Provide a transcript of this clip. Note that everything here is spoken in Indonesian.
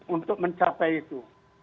untuk mencapai itu